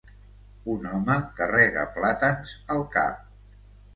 Un home carrega plàtans al cap.